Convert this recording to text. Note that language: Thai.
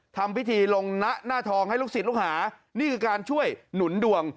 ทำพิธีลงนะหน้าทองให้ลูกศิษย์ลูกหานี่คือการช่วยหนุนดวง